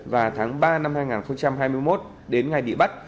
và tháng ba năm hai nghìn hai mươi một đến ngày bị bắt